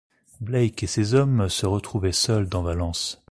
Blake et ses hommes se retrouvaient seuls dans Valence.